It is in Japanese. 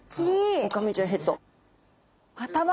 オオカミちゃんヘッド。